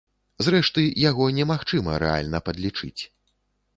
Зрэшты, яго немагчыма рэальна падлічыць.